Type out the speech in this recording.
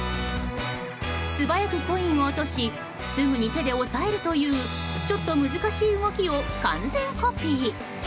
素早くコインを落としすぐに手で押さえるというちょっと難しい動きを完全コピー。